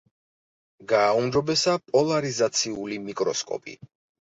გააუმჯობესა პოლარიზაციული მიკროსკოპი.